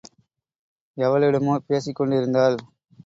எவளிடமோ பேசிக் கொண்டிருந்தாள்.